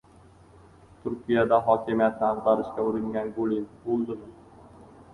Turkiyada hokimiyatni ag‘darishga uringan Gulen o‘ldimi?